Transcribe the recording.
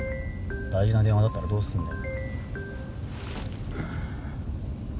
大事な電話だったらどうすんだよ。